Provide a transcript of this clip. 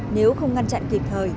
nếu không ngăn chặn kịp thời